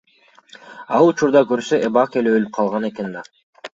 Ал учурда көрсө эбак эле өлүп калган экен да.